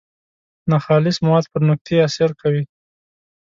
ناخالص مواد پر نقطې اثر کوي.